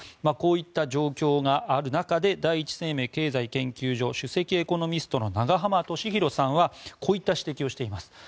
こういった状況がある中で第一生命経済研究所首席エコノミストの永濱利廣さんはこういった指摘をしています。